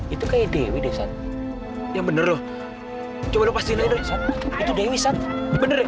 itu kayak dewi desa yang bener loh coba pastiin itu dewi bener bener